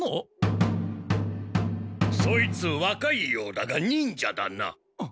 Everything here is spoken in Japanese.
そいつわかいようだが忍者だな。